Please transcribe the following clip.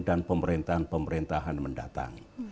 dan pemerintahan pemerintahan mendatang